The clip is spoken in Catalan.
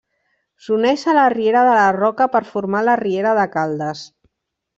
S'uneix a la riera de la Roca per formar la riera de Caldes.